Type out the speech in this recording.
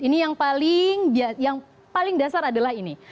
ini yang paling dasar adalah ini